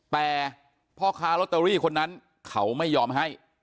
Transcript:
แต่พ่อค้าลอตเตอรี่คนนั้นเขาไม่ยอมให้